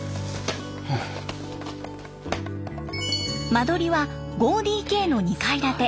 間取りは５ＤＫの２階建て。